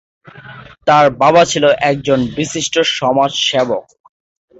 তার বাবা ছিলেন একজন বিশিষ্ট সমাজ সেবক।